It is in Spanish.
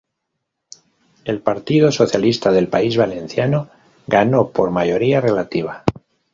El Partido Socialista del País Valenciano ganó por mayoría relativa.